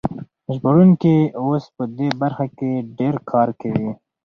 ژباړونکي اوس په دې برخه کې ډېر کار کوي.